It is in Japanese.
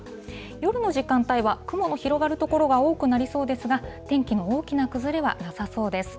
夜の時間帯は雲の広がる所が多くなりそうですが、天気の大きな崩れはなさそうです。